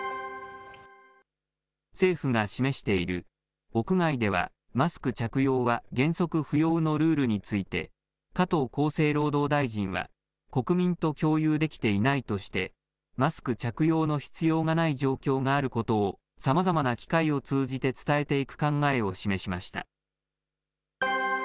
政府が示している屋外ではマスク着用は原則不要のルールについて、加藤厚生労働大臣は、国民と共有できていないとして、マスク着用の必要がない状況があることを、さまざまな機会を通じて伝えていく考えを示しました。